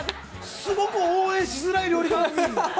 すごく応援しづらい料理番組！